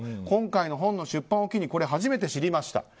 今回の本の出版を機に初めて知りました。